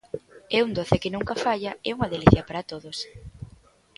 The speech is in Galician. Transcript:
É un doce que nunca falla e unha delicia para todos.